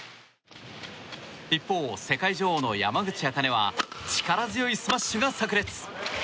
一方、世界女王の山口茜は力強いスマッシュが炸裂。